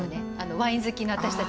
ワイン好きな私たちは。